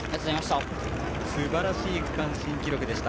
すばらしい区間新記録でした。